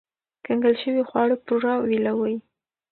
کنګل شوي خواړه پوره ویلوئ.